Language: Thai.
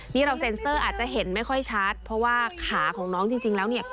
นี่เราเซ็นเซอร์อาจจะเห็นไม่ค่อยชัดเพราะว่าขาของน้องจริงแล้วเนี่ย